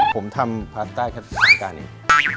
ผมทำพลาสต้ายแค่สักการิ่ม